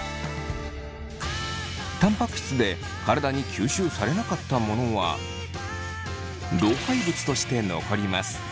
たんぱく質で体に吸収されなかったものは老廃物として残ります。